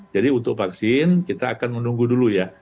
jadi untuk vaksin kita akan menunggu dulu ya